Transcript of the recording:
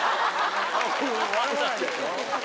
笑わないでしょ。